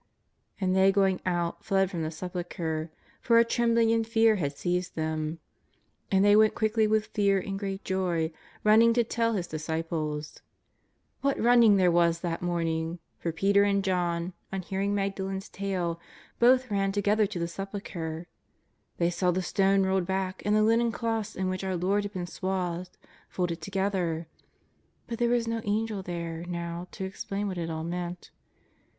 '* And they going out fled from the Sepulchre, for a treniblinor and fear had seized them. And thev went quickly with fear and great joy, running to tell His disciples. What running there was that morning! for Peter and John, on hearing Magdalen's tale, both ran to gether to the Sepulchre. They saw the stone rolled back, and the linen cloths in which our Lord had been swathed folded together, but there was no angel there now to explain what it all meant.